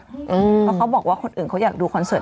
เพราะเขาบอกว่าคนอื่นเขาอยากดูคอนเสิร์